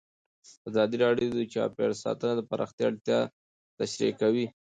ازادي راډیو د چاپیریال ساتنه د پراختیا اړتیاوې تشریح کړي.